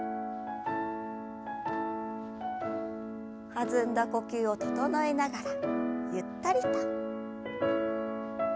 弾んだ呼吸を整えながらゆったりと。